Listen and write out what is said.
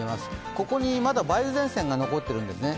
ここにまだ梅雨前線が残っているんですね。